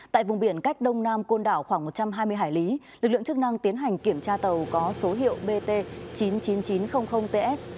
tại vùng biển cách đông nam côn đảo khoảng một trăm hai mươi hải lý lực lượng chức năng tiến hành kiểm tra tàu có số hiệu bt chín mươi chín nghìn chín trăm linh ts